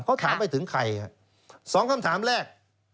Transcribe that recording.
เขาถามไปถึงใครฮะสองคำถามแรก